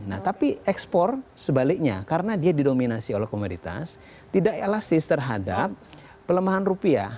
nah tapi ekspor sebaliknya karena dia didominasi oleh komoditas tidak elastis terhadap pelemahan rupiah